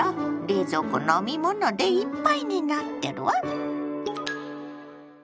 冷蔵庫飲み物でいっぱいになってるわ！